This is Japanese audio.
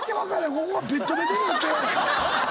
ここがベットベトになって。